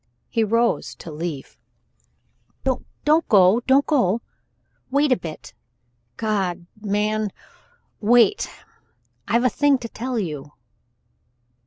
He rose to leave. "Don't go. Don't go yet. Wait a bit God, man! Wait! I've a thing to tell you."